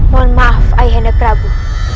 mohon maaf ayah anda prabu